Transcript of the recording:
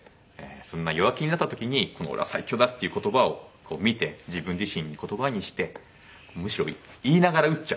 そんな弱気になった時に「オレは最強だ！」っていう言葉を見て自分自身に言葉にしてむしろ言いながら打っちゃうとか。